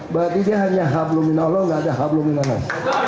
berarti dia hanya hablumin allah nggak ada hablumin